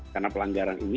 karena pelanggaran ini